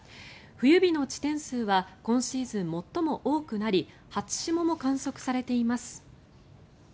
冬日の地点数は今シーズン最も多くなり初霜も観測されています。